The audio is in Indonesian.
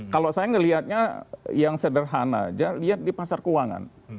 kalau saya melihatnya yang sederhana aja lihat di pasar keuangan